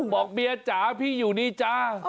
บอกเมียจ๋าพี่อยู่นี่จ้า